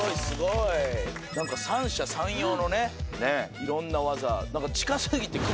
何か三者三様のねいろんな技。